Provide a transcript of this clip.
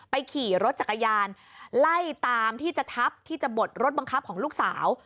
ขี่รถจักรยานไล่ตามที่จะทับที่จะบดรถบังคับของลูกสาว